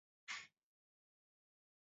海滨圣玛丽。